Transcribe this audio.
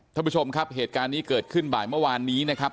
ท่านผู้ชมครับเหตุการณ์นี้เกิดขึ้นบ่ายเมื่อวานนี้นะครับ